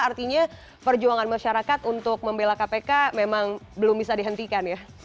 artinya perjuangan masyarakat untuk membela kpk memang belum bisa dihentikan ya